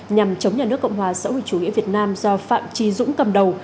nhằm chống nhà nước cộng hòa xã hội chủ nghĩa việt nam do phạm trí dũng cầm đầu